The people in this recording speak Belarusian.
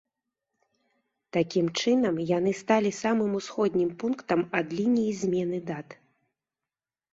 Такім чынам, яны сталі самым ўсходнім пунктам ад лініі змены дат.